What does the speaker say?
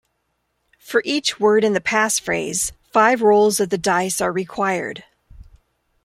For each word in the passphrase, five rolls of the dice are required.